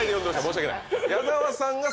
申し訳ない。